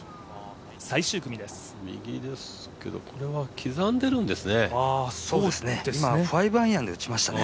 右ですけど、これは刻んでるんですね。